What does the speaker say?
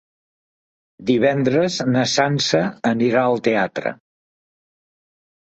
Divendres na Sança anirà al teatre.